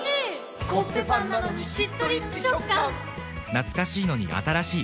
懐かしいのに新しい。